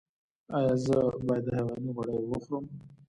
ایا زه باید د حیواني غوړي وخورم؟